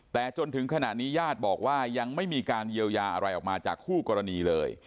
แต่จนถึงขณะนี้ญาติบอกว่ายังไม่มีการเยียวยาอะไรออกมาจากคู่กรณีเลย